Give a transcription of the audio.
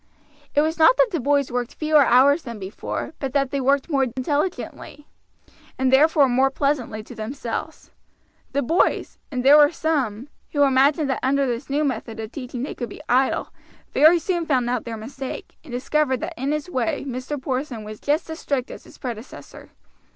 It was not that the boys worked fewer hours than before, but that they worked more intelligently, and therefore more pleasantly to themselves. The boys and there were some who imagined that under this new method of teaching they could be idle, very soon found out their mistake, and discovered that in his way Mr. Porson was just as strict as his predecessor.